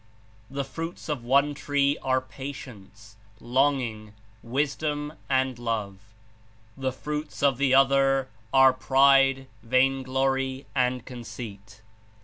The fruits of one tree are patience, longing, wisdom and love; the fruits of the other are pride, vainglory and conceit.